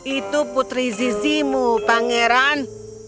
itu putri zizi mu pangeran